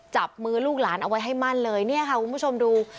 จับมือลูกหลานเอาไว้ให้มั่นเลยเนี่ยค่ะคุณผู้ชมดู